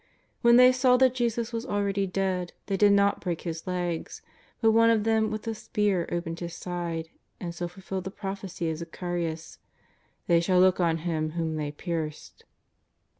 When they saw that Jesus was already dead they did not break His legs, but one of them with a spear opened His side and so fulfilled the prophecy of Zacharias: " They shall look on Him whom they pierced."